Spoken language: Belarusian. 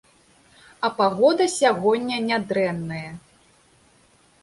А пагода сягоння нядрэнная.